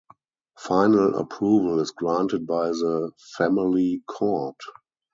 Final approval is granted by the Family Court.